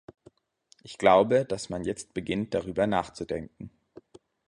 Ich glaube, dass man jetzt beginnt, darüber nachzudenken.